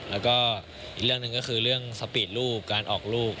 แล้วก็อีกเรื่องหนึ่งก็คือเรื่องสปีดรูปการออกลูก